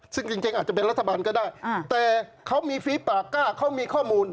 ซึ่งจริงอาจจะเป็นรัฐบาลก็ได้แต่เขามีฟีปากก้าเขามีข้อมูล